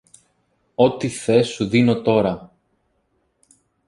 Ό,τι θες σου δίνω τώρα!